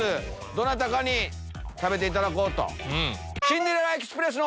どなたかに食べていただこうと。